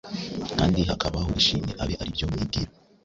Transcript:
kandi hakabaho ishimwe, abe ari byo mwibwira.